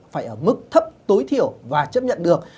phải ở mức thấp tối thiểu và chấp nhận được